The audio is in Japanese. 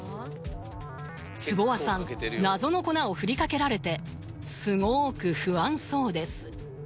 坪和さん謎の粉をふりかけられてすごく不安そうです